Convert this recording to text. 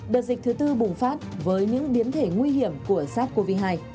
đợt dịch thứ tư bùng phát với những biến thể nguy hiểm của sars cov hai